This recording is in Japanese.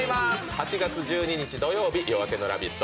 ８月１２日土曜日、「夜明けのラヴィット！」